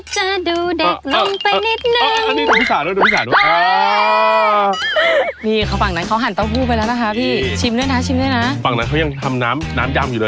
การหั่นนี่นะของพี่สาเนี่ยสุดยอด